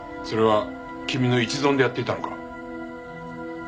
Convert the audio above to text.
それは君の一存でやっていたのか？